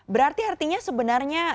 berarti artinya sebenarnya